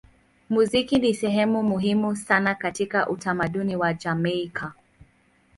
Muziki ni sehemu muhimu sana katika utamaduni wa Jamaika.